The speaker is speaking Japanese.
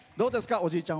おじいちゃん